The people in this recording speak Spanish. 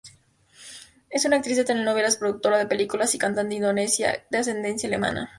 Es una actriz de telenovelas, productora de películas y cantante indonesia, de ascendencia alemana.